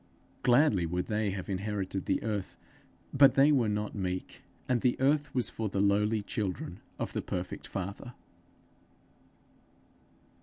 Gladly would they have inherited the earth; but they were not meek, and the earth was for the lowly children of the perfect Father.